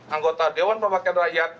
anggota dewan perwakilan rakyat